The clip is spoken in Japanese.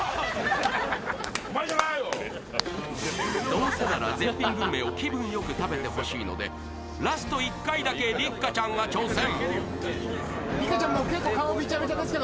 どうせなら絶品グルメを気分よく食べてほしいのでラスト１回だけ、六花ちゃんが挑戦。